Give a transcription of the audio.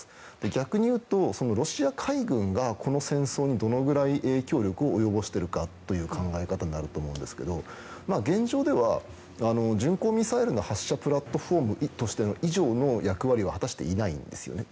逆にいうとロシア海軍がこの戦争にどのくらい影響力を及ぼしているかという考え方になると思うんですが現状では巡航ミサイルの発射プラットフォーム以上の役割を果たしていないんですよね。